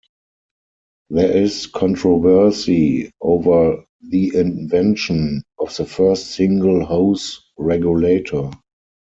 There is controversy over the invention of the first single hose regulator.